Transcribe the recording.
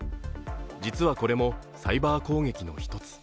実はこれもサイバー攻撃の一つ。